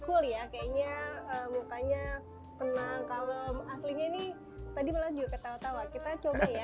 kalau aslinya ini tadi melaju